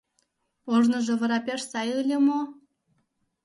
Ожныжо вара пеш сай ыле мо?